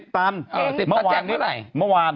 ๑๐ตันเมื่อวาน